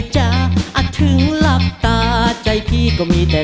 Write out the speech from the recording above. เชิญค่ะ